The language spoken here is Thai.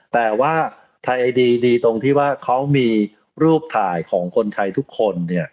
แต่ว่าไทยไอดีดีตรงที่ว่าเขามีรูปถ่ายของคนไทยทุกคนเนี่ย